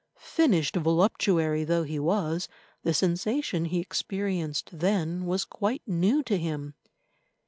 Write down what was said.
Finished voluptuary though he was, the sensation he experienced then was quite new to him.